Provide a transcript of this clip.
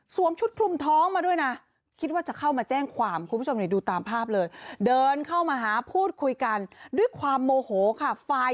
ชุดคลุมท้องมาด้วยนะคิดว่าจะเข้ามาแจ้งความคุณผู้ชมดูตามภาพเลยเดินเข้ามาหาพูดคุยกันด้วยความโมโหค่ะ